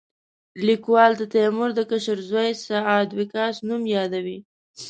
لیکوال د تیمور د کشر زوی سعد وقاص نوم یادوي.